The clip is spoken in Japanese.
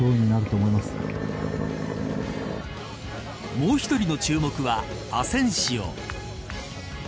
もう１人の注目はアセンシオ。